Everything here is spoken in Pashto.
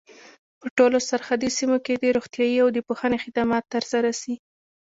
په ټولو سرحدي سیمو کي دي روغتیايي او د پوهني خدمات تر سره سي.